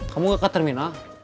kamu gak ke terminal